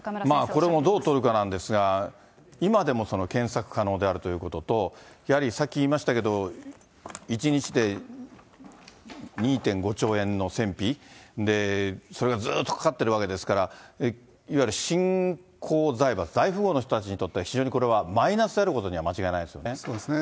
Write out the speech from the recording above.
これもどう取るかなんですが、今でも検索可能であるということと、やはりさっき言いましたけれども、１日で２．５兆円の戦費で、それがずっとかかってるわけですから、いわゆる新興財閥、大富豪の人たちにとっては、非常にこれはマイナスであることには間違いないですよね。